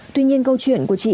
tuy nhiên câu chuyện của trẻ em